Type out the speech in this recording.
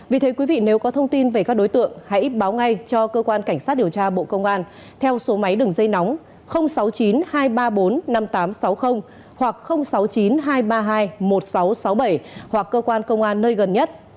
vì thế quý vị nếu có thông tin về các đối tượng hãy báo ngay cho cơ quan cảnh sát điều tra bộ công an theo số máy đường dây nóng sáu mươi chín hai trăm ba mươi bốn năm nghìn tám trăm sáu mươi hoặc sáu mươi chín hai trăm ba mươi hai một nghìn sáu trăm sáu mươi bảy hoặc cơ quan công an nơi gần nhất